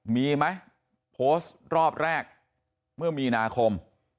มีไหมโพสต์รอบแรกเมื่อมีนาคม